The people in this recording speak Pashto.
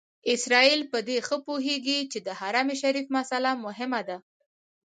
اسرائیل په دې ښه پوهېږي چې د حرم شریف مسئله مهمه ده.